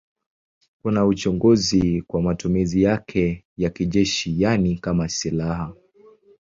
Kuna uchunguzi kwa matumizi yake ya kijeshi, yaani kama silaha.